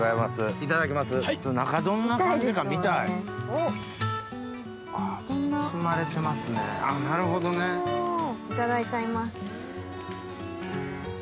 いただいちゃいます。